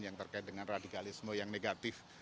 yang terkait dengan radikalisme yang negatif